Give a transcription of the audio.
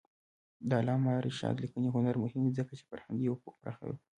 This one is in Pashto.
د علامه رشاد لیکنی هنر مهم دی ځکه چې فرهنګي افق پراخوي.